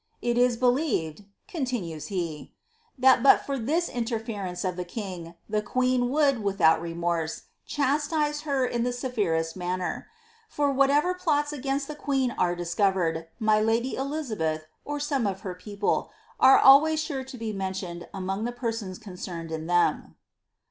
It is believed," continues he, ^ that but for this inter ference of the king, the queen would, without remorse, chastise her in the severest manner; for whatever plots against the queen are dis; covered, my lady Elizabeth, or some of her people, are always sure to be mentioned among the persons concerned in them.''